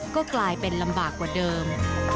ก็กลายเป็นลำบากกว่าเดิม